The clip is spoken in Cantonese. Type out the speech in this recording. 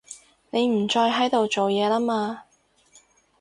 你唔再喺度做嘢啦嘛